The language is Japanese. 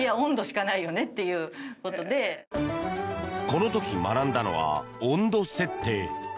この時、学んだのは温度設定。